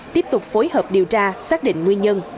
tiếp tục phối hợp điều tra xác định nguyên nhân